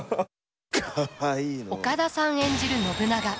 岡田さん演じる信長。